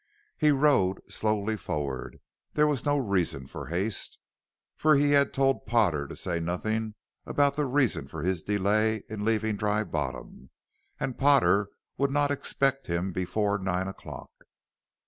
He rode slowly forward; there was no reason for haste, for he had told Potter to say nothing about the reason of his delay in leaving Dry Bottom, and Potter would not expect him before nine o'clock.